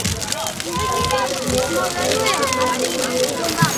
خواركى په دنيا پسې يې څومره منډې ووهلې.